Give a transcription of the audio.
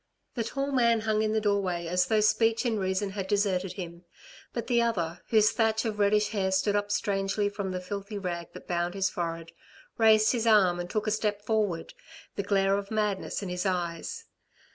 The tall man hung in the doorway as though speech and reason had deserted him. But the other, whose thatch of reddish hair stood up strangely from the filthy rag that bound his forehead, raised his arm and took a step forward, the glare of madness in his eyes.